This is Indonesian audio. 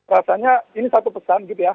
rasanya ini satu pesan gitu ya